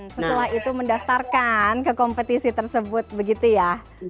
setelah itu mendaftarkan ke kompetisi tersebut begitu ya